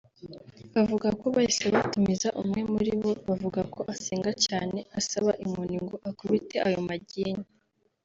Bavuga ko bahise batumiza umwe muri bo bavuga ko asenga cyane asaba inkoni ngo akubite ayo magini